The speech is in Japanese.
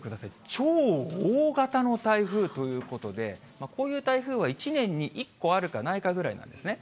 超大型の台風ということで、こういう台風は１年に１個あるかないかぐらいなんですね。